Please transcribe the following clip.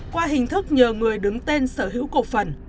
qua hình thức nhờ người đứng tên sở hữu cổ phần